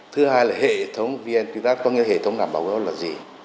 thứ hai là hệ thống vnqs có nghĩa là hệ thống đảm bảo hữu ước pháp là gì